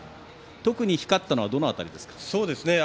特に光ったのはどの辺りですか。